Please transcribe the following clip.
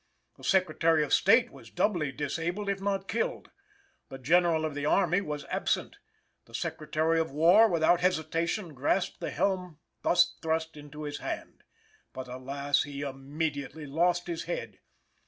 The Secretary of State was doubly disabled, if not killed. The General of the Army was absent. The Secretary of War without hesitation grasped the helm thus thrust into his hand, but, alas! he immediately lost his head.